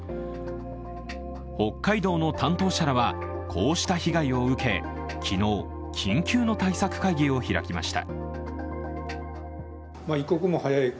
北海道の担当者らは、こうした被害を受け昨日、緊急の対策会議を開きました。